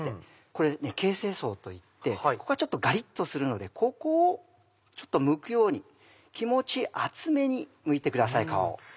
これ形成層といってここがちょっとガリっとするのでここをちょっとむくように気持ち厚めにむいてください皮を。